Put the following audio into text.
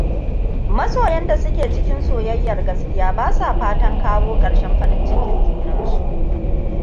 Masoyan da suke cikin soyayyar gaskiya bada fatan kawo ƙarshen farin ckin junansu.